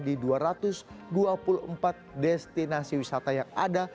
di dua ratus dua puluh empat destinasi wisata yang ada